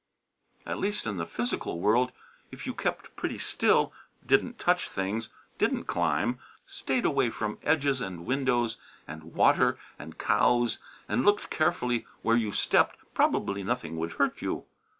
At least in the physical world, if you kept pretty still, didn't touch things, didn't climb, stayed away from edges and windows and water and cows and looked carefully where you stepped, probably nothing would hurt you.